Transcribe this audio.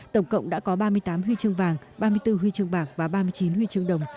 tổng cộng đã có ba mươi tám huy chương vàng ba mươi bốn huy chương bạc và ba mươi chín huy chương đồng